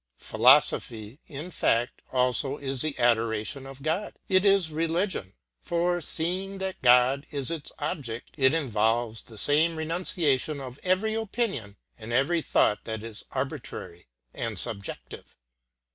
Philosophy, in fact, also is the adoration of God, it is religion; for, seeing that God is its object, it involves the same renunciation of every opinion and every thought that is arbitrary and subjective.